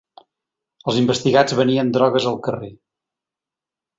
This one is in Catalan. Els investigats venien drogues al carrer.